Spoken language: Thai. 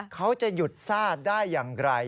เขาจะหยุดซ่าได้อย่างไร